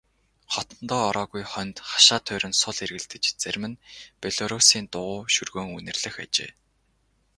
Хотондоо ороогүй хоньд хашаа тойрон сул эргэлдэж зарим нь белоруссын дугуй шөргөөн үнэрлэх ажээ.